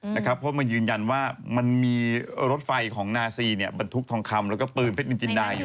เพราะมันยืนยันว่ามันมีรถไฟของนาซีบรรทุกทองคำแล้วก็ปืนเพชรนินจินดาอยู่